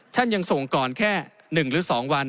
ท่านยังส่งก่อนแค่๑หรือ๒วัน